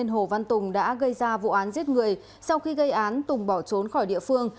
hồ văn tùng đã gây ra vụ án giết người sau khi gây án tùng bỏ trốn khỏi địa phương